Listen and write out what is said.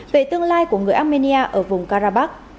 về tương lai của người armenia ở vùng karabakh